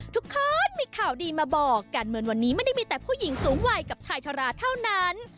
ทุกคนมีข่าวดีมาบอกการเมืองวันนี้ไม่ได้มีแต่ผู้หญิงสูงวัยกับชายชะลาเท่านั้น